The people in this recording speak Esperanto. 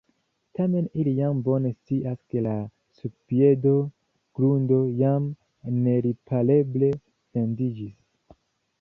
Tamen ili jam bone scias, ke la subpieda grundo jam neripareble fendiĝis.